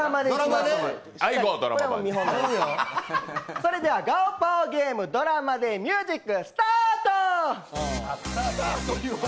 それでは「ガオパオゲーム」ドラマでミュージックスタート。